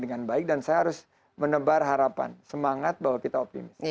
dengan baik dan saya harus menebar harapan semangat bahwa kita optimis